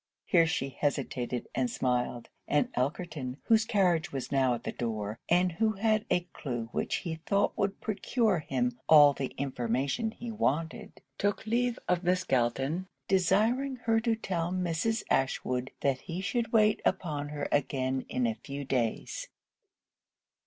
Here she hesitated and smiled; and Elkerton, whose carriage was now at the door, and who had a clue which he thought would procure him all the information he wanted, took leave of Miss Galton; desiring her to tell Mrs. Ashwood that he should wait upon her again in a few days.